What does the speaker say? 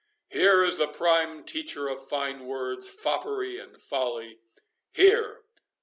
— Here is the prime teacher of fine words, foppery and folly—Here!"